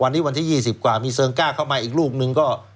วันนี้วันที่๒๐กว่ามีเซิงก้าเข้ามาอีกลูกนึงก็